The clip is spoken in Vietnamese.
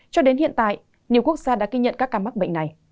cho đến hiện tại nhiều quốc gia đã ghi nhận các ca mắc bệnh này